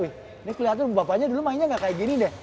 ini kelihatan bapaknya dulu mainnya nggak kayak gini deh